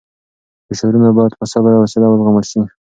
فشارونه باید په صبر او حوصله وزغمل شي.